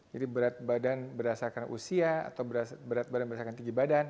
jadi berat badan berdasarkan usia atau berat badan berdasarkan tinggi badan